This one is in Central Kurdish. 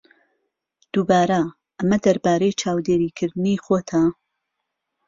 دووبارە، ئەمە دەربارەی چاودێریکردنی خۆتە.